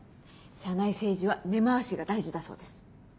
社内政治は根回しが大事だそうです。